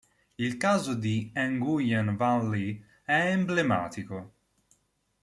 Il caso di Nguyen Van Ly è emblematico.